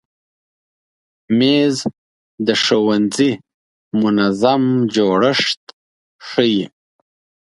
مېز د ښوونځي منظم جوړښت ښیي.